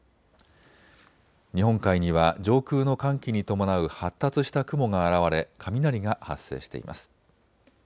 日本海には上空の寒気に伴う発達した雲が現れ雷が発生しています。